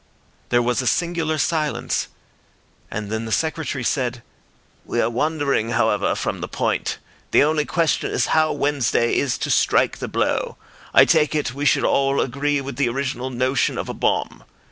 There was a singular silence, and then the Secretary said— "We are wandering, however, from the point. The only question is how Wednesday is to strike the blow. I take it we should all agree with the original notion of a bomb.